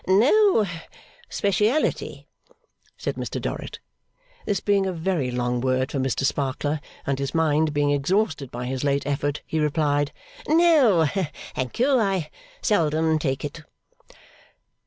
'No speciality?' said Mr Dorrit. This being a very long word for Mr Sparkler, and his mind being exhausted by his late effort, he replied, 'No, thank you. I seldom take it.